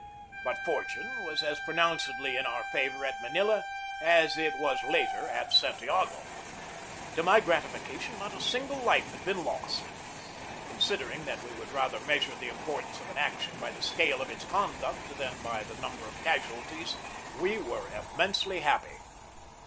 But fortune was as pronouncedly in our favor at Manila as it was later at Santiago. To my gratification not a single life had been lost, and considering that we would rather measure the importance of an action by the scale 220 GEORGE DEWEY of its conduct than by the number of casualties we were immensely happy.